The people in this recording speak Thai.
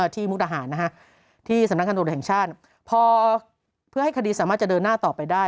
มุกดาหารที่สำนักงานตรวจแห่งชาติพอเพื่อให้คดีสามารถจะเดินหน้าต่อไปได้